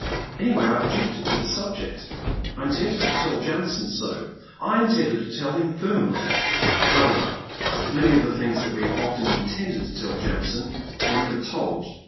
Anjrway I objected to the subject. I intended to tell Jami son so — I intended to tell him firmly. However, many of the things that we often intended to tell Jamison were never told.